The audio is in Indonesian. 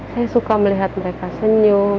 saya suka melihat mereka senyum